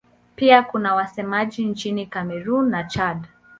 Pia kuna wasemaji nchini Kamerun na Chad.